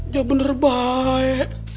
ya bener baik